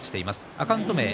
アカウント名は